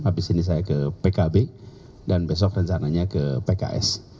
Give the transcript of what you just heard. habis ini saya ke pkb dan besok rencananya ke pks